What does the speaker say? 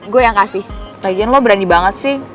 gue yang kasih lagian lo berani banget sih